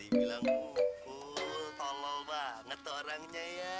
ini bota atau tenan